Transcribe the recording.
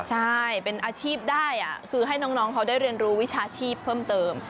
ใช่เป็นอาชีพได้คือให้น้องเขาได้เรียนรู้วิชาชีพเพิ่มเติม